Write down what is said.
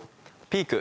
ピーク？